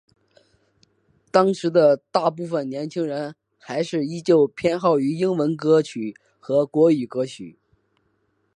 当时的大部份年轻人还是依旧偏好于英文歌曲和国语歌曲。